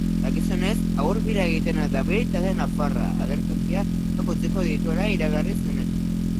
Dakizuenez, agur-bira egiten dabil talde nafarra, agertokiak utziko dituela iragarri zuenetik.